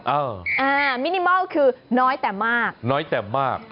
อ่ามินิมอลคือน้อยแต่มากน้อยแต่มาก